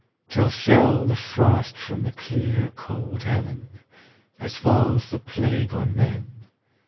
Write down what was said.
Till fell the frost from the clear cold heaven, as falls the plague on men.